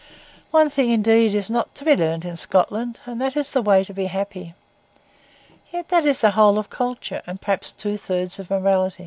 One thing, indeed, is not to be learned in Scotland, and that is the way to be happy. Yet that is the whole of culture, and perhaps two thirds of morality.